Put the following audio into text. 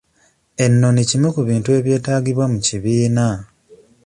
Ennoni kimu ku bintu ebyetaagibwa mu kibiina.